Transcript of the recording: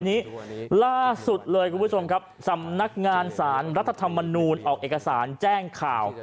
นี้ล่าสุดเลยคุณผู้ชมครับสำนักงานสารรัฐธรรมนูลออกเอกสารแจ้งข่าว